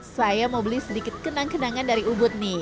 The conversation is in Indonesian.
saya mau beli sedikit kenang kenangan dari ubud nih